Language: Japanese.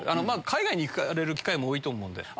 海外に行かれる機会も多いと思うんで。